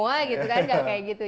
gak kayak gitu